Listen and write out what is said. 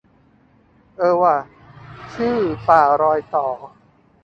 เออว่ะ ชื่อ ป่ารอยต่อ